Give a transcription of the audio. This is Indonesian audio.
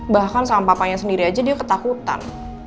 bahkan sama papanya sendiri aja dia ketakutan